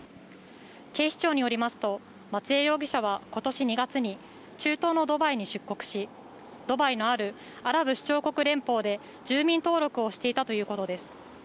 警視庁によりますと松江容疑者は、今年２月に中東のドバイに出国し、ドバイのあるアラブ首長国連邦で住民登録をしていたということです。